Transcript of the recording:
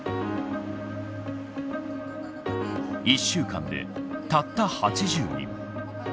１週間でたった８０人。